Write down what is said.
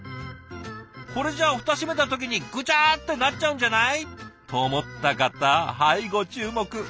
これじゃあ蓋閉めた時にぐちゃってなっちゃうんじゃない？と思った方はいご注目。